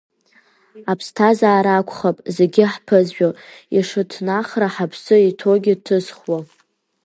Аԥсҭазаара акәхап зегьы ҳԥызшәо, ишыҭнахра ҳаԥсы иҭоугьы ҭызхуа.